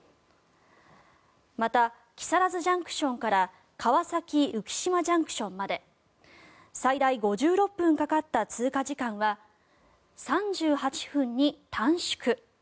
また、木更津ＪＣＴから川崎浮島ＪＣＴまで最大５６分かかった通過時間は３８分に短縮。